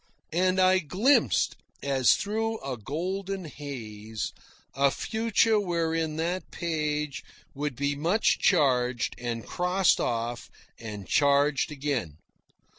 And I glimpsed, as through a golden haze, a future wherein that page would be much charged, and crossed off, and charged again.